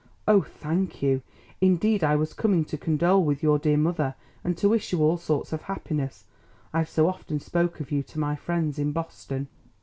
"Oh, thank you! Indeed I was coming to condole with your dear mother and to wish you all sorts of happiness. I've so often spoken of you to my friends in Boston."